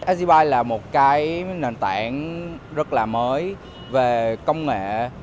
agibyte là một nền tảng rất là mới về công nghệ